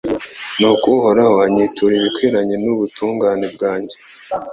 Nuko Uhoraho anyitura ibikwiranye n’ubutungane bwanjye